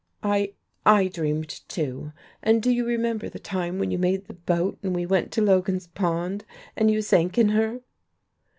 I I dreamed, too. And do you remember the time when you made the boat, and we went to Logan's Pond, and you sank in her?"